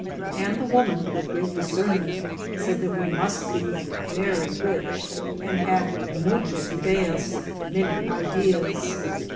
and the woman, with great discernment, said that we mnst be yery rich, and had ^^ mnchos idtes,'' *^ many ideas."